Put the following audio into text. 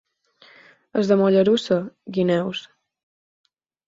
Els de Mollerussa, guineus.